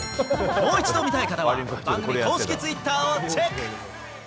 もう一度見たい方は番組公式ツイッターをチェック。